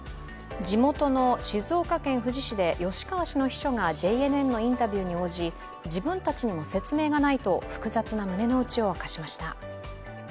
地元の静岡県富士市で吉川氏の秘書がＪＮＮのインタビューに応じ、自分たちにも説明がないと複雑な胸の内を明かしました。